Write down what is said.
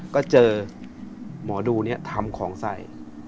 ก็เจอหมอดูเนี่ยทำของใส่